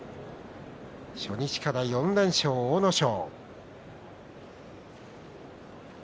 初日から４連勝、阿武咲。